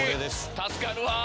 「助かるわ。